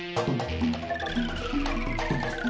kita outsiders leuk ungguhi